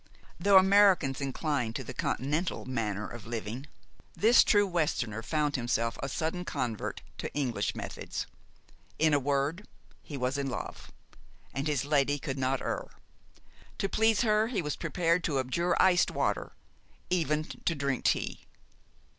Though Americans incline to the Continental manner of living, this true Westerner found himself a sudden convert to English methods. In a word, he was in love, and his lady could not err. To please her he was prepared to abjure iced water even to drink tea.